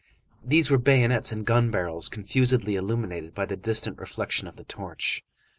These were bayonets and gun barrels confusedly illuminated by the distant reflection of the torch.